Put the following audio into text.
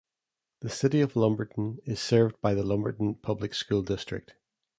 The City of Lumberton is served by the Lumberton Public School District.